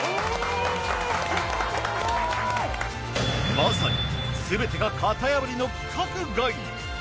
まさにすべてが型破りの規格外。